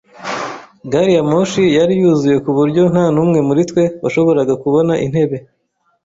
Gari ya moshi yari yuzuye ku buryo nta n'umwe muri twe washoboraga kubona intebe.